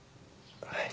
はい。